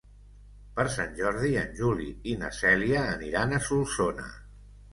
Per Sant Jordi en Juli i na Cèlia aniran a Solsona.